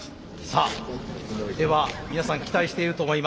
さあでは皆さん期待していると思います。